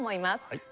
はい。